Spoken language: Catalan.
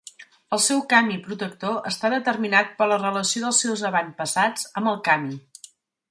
El seu kami protector està determinat per la relació dels seus avantpassats amb el kami.